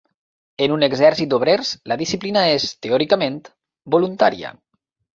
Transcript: En un exèrcit d'obrers, la disciplina és, teòricament, voluntària.